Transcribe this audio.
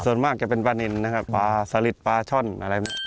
ส่วนมากจะเป็นปลานินนะครับปลาสลิดปลาช่อนอะไร